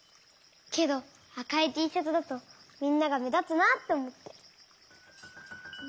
けどあかいティーシャツだとみんながめだつなっておもって。